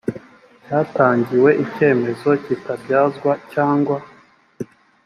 cyatangiwe icyemezo kitabyazwa cyangwa